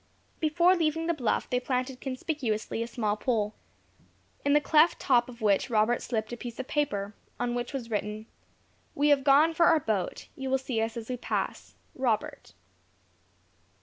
Before leaving the bluff they planted conspicuously a small pole, in the cleft top of which Robert slipped a piece of paper, on which was written, "We have gone for our boat; you will see us as we pass. Robert."